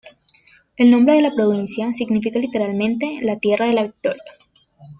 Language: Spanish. El nombre de la provincia significa literalmente "la tierra de la victoria".